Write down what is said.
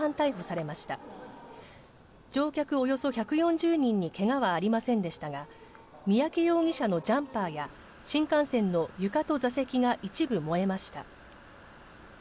およそ１４０人にけがはありませんでしたが、三宅容疑者のジャンパーや新幹線の床と座席が一部燃えました。